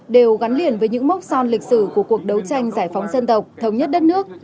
đều gắn liền với những mốc son lịch sử của cuộc đấu tranh giải phóng dân tộc thống nhất đất nước